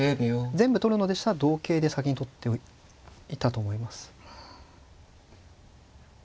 全部取るのでしたら同桂で先に取っていたと思います。